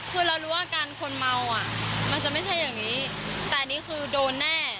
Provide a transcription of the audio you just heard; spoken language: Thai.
คือเรารู้ว่าอาการคนเมาอ่ะมันจะไม่ใช่อย่างนี้แต่อันนี้คือโดนแน่